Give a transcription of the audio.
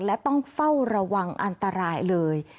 และต้องเฝ้าระวังอันตรายเลย